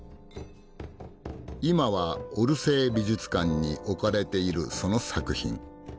今はオルセー美術館に置かれているその作品。